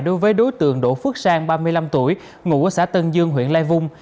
đối với đối tượng đỗ phước sang ba mươi năm tuổi ngụ ở xã tân dương huyện lai vung